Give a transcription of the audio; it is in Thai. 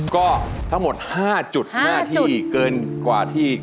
ก็ทั้งหมด๕จุดหน้าที่เกินกว่าที่